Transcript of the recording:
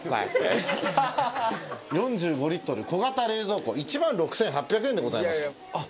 ４５リットル小型冷蔵庫１万６，８００円でございます。